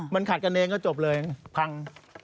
มันขัดกันเองก็จบเลยพัง